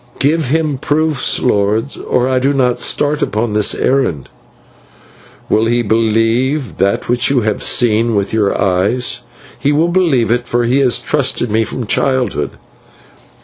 Give me proofs, lord, or I do not start upon this errand.' "'Will he believe that which you have seen with your eyes?' "'He will believe it, for he has trusted me from childhood.'